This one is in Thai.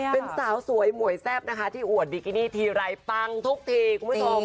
เป็นสาวสวยหมวยแซ่บนะคะที่อวดบิกินี่ทีไรปังทุกทีคุณผู้ชม